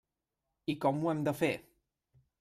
I com ho hem de fer?